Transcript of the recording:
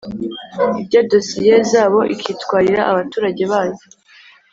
irya dosiye zabo ikitwarira abaturage bayo